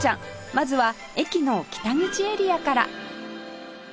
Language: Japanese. まずは駅の北口エリアから